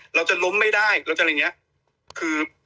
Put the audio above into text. เราจะล้มไม่ได้เราจะอะไรอย่างนี้คือ